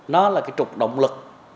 nó là cái trục động lực